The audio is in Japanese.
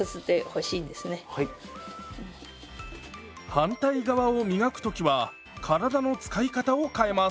反対側を磨く時は体の使い方を変えます。